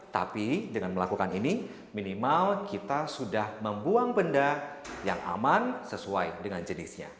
tapi dengan melakukan ini minimal kita sudah membuang benda yang aman sesuai dengan jenisnya